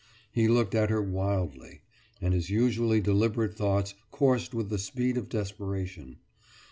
He looked at her wildly, and his usually deliberate thoughts coursed with the speed of desperation.